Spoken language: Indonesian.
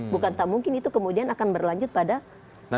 bukan tak mungkin itu kemudian akan berlanjut pada